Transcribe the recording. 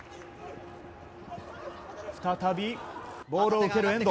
再びボールを受ける遠藤。